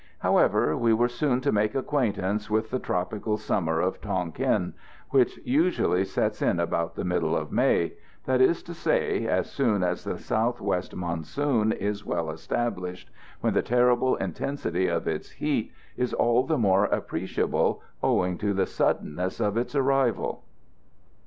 However, we were soon to make acquaintance with the tropical summer of Tonquin, which usually sets in about the middle of May that is to say, as soon as the south west monsoon is well established, when the terrible intensity of its heat is all the more appreciable owing to the suddenness of its arrival.